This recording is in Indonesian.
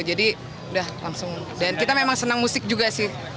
udah langsung dan kita memang senang musik juga sih